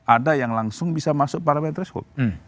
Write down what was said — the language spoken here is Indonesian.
ada yang langsung bisa masuk parlement threshold